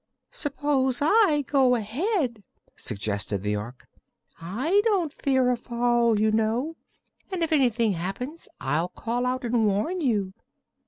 "Suppose I go ahead?" suggested the Ork. "I don't fear a fall, you know, and if anything happens I'll call out and warn you."